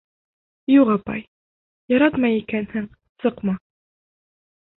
Юҡ, апай, яратмай икәнһең, сыҡма!